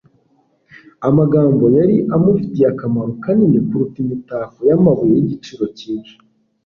amagambo yari amufitiye akamaro kanini kuruta imitako y'amabuye y'igiciro cyinshi.